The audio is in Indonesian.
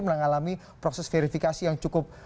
mengalami proses verifikasi yang cukup